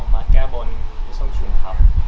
อ๋อมาแก้บนส้มฉุนครับ